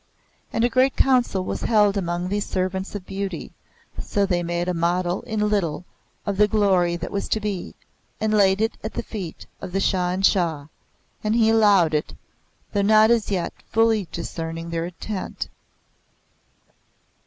And a great council was held among these servants of beauty, so they made a model in little of the glory that was to be, and laid it at the feet of the Shah in Shah; and he allowed it, though not as yet fully discerning their intent.